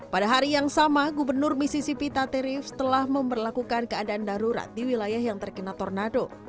pada hari yang sama gubernur missipi taterif telah memperlakukan keadaan darurat di wilayah yang terkena tornado